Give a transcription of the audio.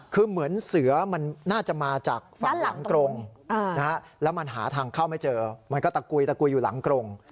คือเหมือนเสือมันน่าจะมาจากฝั่งหลังกรงแล้วมันหาทางเข้าไม่เจอมันก็ตะกุยตะกุยอยู่หลังกรง